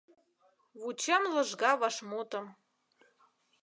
Вучем лыжга вашмутым